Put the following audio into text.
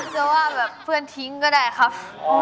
จะว่าแบบเพื่อนทิ้งก็ได้ครับ